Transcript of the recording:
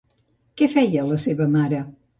Què feia la seva mare?